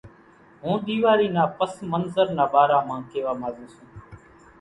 ھون ۮيواري نا پس منظر نا ٻارا مان ڪيوا ماڳون سون